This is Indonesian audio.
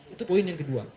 itu poin yang kedua